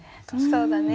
そうだね。